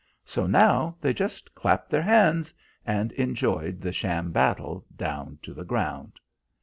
So now they just clapped their hands, and enjoyed the sham battle down to the ground.